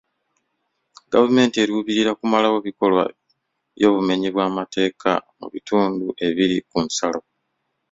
Gavumenti eruubirira kumalawo bikolwa by'obumenyi bw'amateeka mu bitundu ebiri ku nsalo.